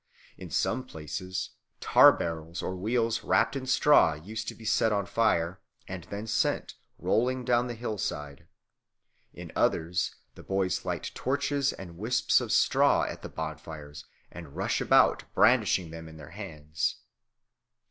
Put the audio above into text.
In some places tar barrels or wheels wrapt in straw used to be set on fire, and then sent rolling down the hillside. In others the boys light torches and wisps of straw at the bonfires and rush about brandishing them in their hands.